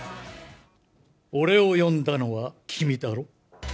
俺を呼んだのは君だろ。